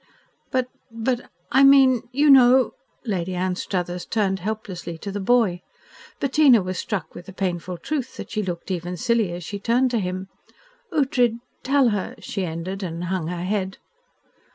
"But but I mean you know " Lady Anstruthers turned helplessly to the boy. Bettina was struck with the painful truth that she looked even silly as she turned to him. "Ughtred tell her," she ended, and hung her head.